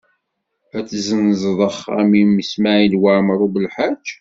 Ad tezzenzeḍ axxam-im i Smawil Waɛmaṛ U Belḥaǧ?